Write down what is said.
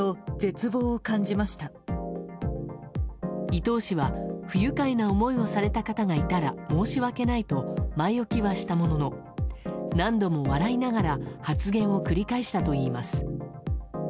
伊東氏は不愉快な思いをされた方がいたら申し訳ないと前置きはしたものの何度も笑いながら発言を繰り返したといいます。